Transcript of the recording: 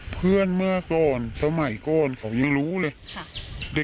เพื่อนเมื่อก้นสมัยก้นเขายังรู้เลย